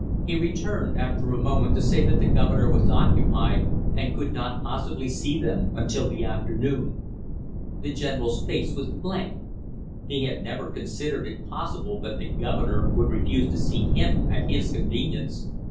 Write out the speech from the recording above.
He returned after a moment to say that the governor was occupied and could not possibly see them until the afternoon. The general's face was blank. He had never considered it possible that the governor would refuse to see him at his convenience.